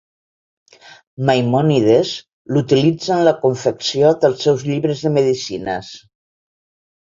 Maimònides l'utilitza en la confecció dels seus llibres de medicines.